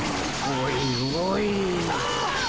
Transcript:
おいおい。